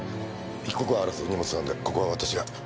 一刻を争う荷物なんでここは私が。